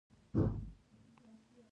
هغه د دښته په بڼه د مینې سمبول جوړ کړ.